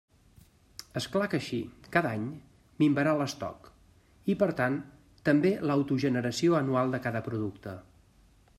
És clar que així, cada any, minvarà l'estoc, i per tant també l'autogeneració anual de cada producte.